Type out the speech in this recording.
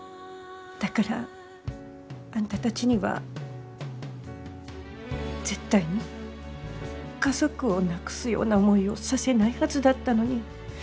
だからあんたたちには絶対に家族を亡くすような思いをさせないはずだったのに。